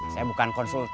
saya bukan konsultan